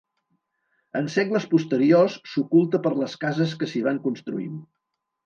En segles posteriors s'oculta per les cases que s'hi van construint.